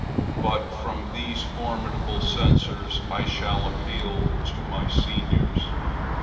But from these formidable censors I shall appeal to my seniors.